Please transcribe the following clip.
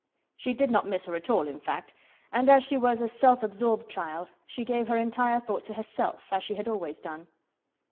She did not miss her at all, in fact, and as she was a self absorbed child she gave her entire thought to herself, as she had always done.